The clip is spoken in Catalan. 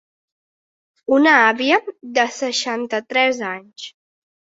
Una àvia de seixanta-tres anys.